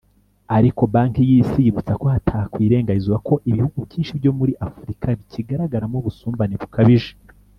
ariko banki y’isi yibutsa ko hatakwirengagizwa ko ibihugu byinshi byo muri Afurika bikigaragaramo ubusumbane bukabije